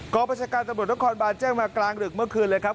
ประชาการตำรวจนครบานแจ้งมากลางดึกเมื่อคืนเลยครับ